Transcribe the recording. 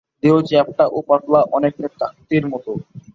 দেহ চ্যাপ্টা ও পাতলা, অনেকটা চাকতির মতো।